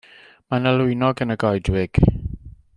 Mae 'na lwynog yn y goedwig.